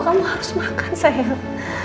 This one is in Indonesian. kalau mau kamu harus makan sayang